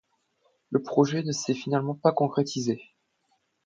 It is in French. Le projet ne s'est finalement pas concrétisé.